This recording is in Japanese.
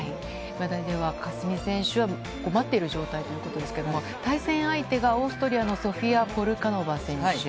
佳純選手は待っている状態ということですけれども、対戦相手がオーストリアのソフィア・ポルカノバ選手。